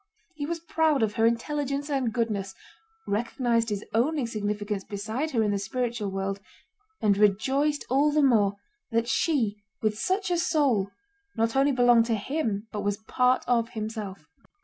He was proud of her intelligence and goodness, recognized his own insignificance beside her in the spiritual world, and rejoiced all the more that she with such a soul not only belonged to him but was part of himself.